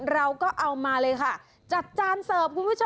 เราก็เอามาเลยค่ะจัดจานเสิร์ฟคุณผู้ชม